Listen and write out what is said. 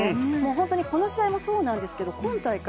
本当にこの試合もそうなんですが今大会